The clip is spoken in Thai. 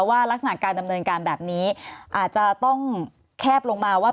ลักษณะการดำเนินการแบบนี้อาจจะต้องแคบลงมาว่า